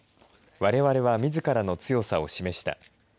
われわれはみずからの強さを示した。